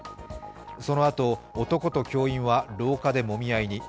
そのあと、男と教員は廊下でもみ合いに。